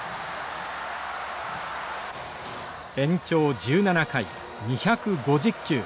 延長１７回２５０球。